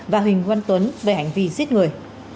và huỳnh quân tuấn về hành vi giết người